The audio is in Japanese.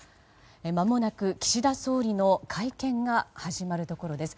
まもなく岸田総理の会見が始まるところです。